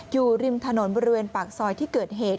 อยู่ริมถนนบริเวณปากซอยที่เกิดเหตุ